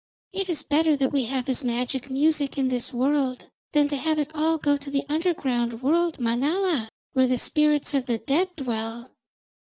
It is better that we have his magic music in this world than to have it all go to the underground world Manala, where the spirits of the dead dwell.'